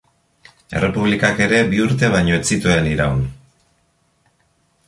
Errepublikak ere bi urte baino ez zituen iraun.